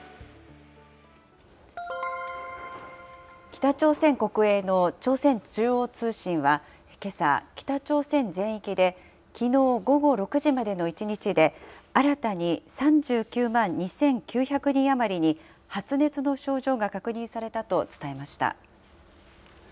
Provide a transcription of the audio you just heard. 北朝鮮国営の朝鮮中央通信は、けさ、北朝鮮全域できのう午後６時までの１日で、新たに３９万２９００人余りに発熱の症状が確認されたと伝えました。